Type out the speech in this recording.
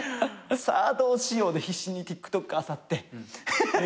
さあどうしようで必死にＴｉｋＴｏｋあさって。